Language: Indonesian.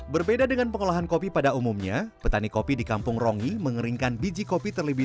berbeda dengan pengolahan kopi pada umumnya petani kopi di kampung rongi mengeringkan biji kopi terlebih